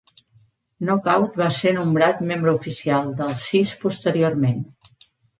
Knockout va ser nombrat membre oficial dels Sis posteriorment.